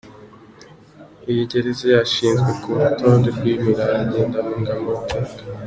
Iyi gereza yashyizwe ku rutonde rw’imirage ndangamateka.